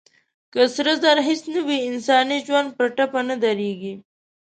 که سره زر هېڅ نه وي، انساني ژوند پر ټپه نه درېږي.